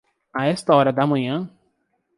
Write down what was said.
A esta hora da manhã?